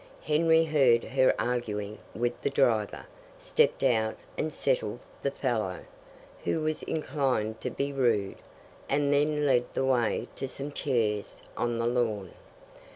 Henry heard her arguing with the driver, stepped out and settled the fellow, who was inclined to be rude, and then led the way to some chairs on the lawn.